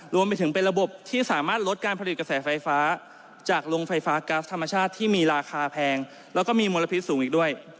รวมไปถึงเป็นระบบที่สามารถลดการผลิตกระแสไฟฟ้าจากโรงไฟฟ้าก๊าซธรรมชาติที่มีราคาแพงแล้วก็มีมลพิษสูงอีกด้วย